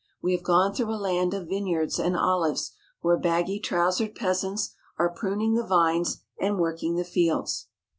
We have gone through a land of vineyards and olives where baggy trousered peasants are pruning the vines and working the fields.